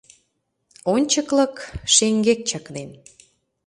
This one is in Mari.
«ОНЧЫКЛЫК» ШЕҤГЕК ЧАКНЕН